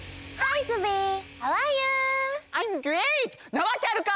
なわけあるか！